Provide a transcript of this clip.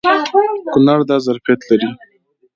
کونړ دا ظرفیت لري.